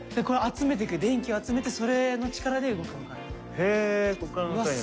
これを集めて電気を集めてそれの力で動くのかな？